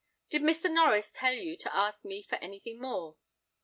Did Mr. Norries tell you to ask me for anything more?"